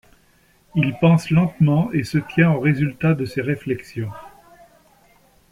Il pense lentement et se tient aux résultats de ses réflexions.